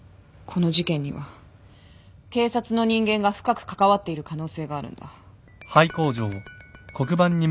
この事件には警察の人間が深く関わっている可能性があるんだ。